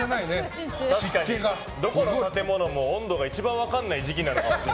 どこの建物も温度が一番分からない時期なのかもね。